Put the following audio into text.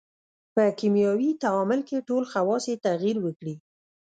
په کیمیاوي تعامل کې ټول خواص یې تغیر وکړي.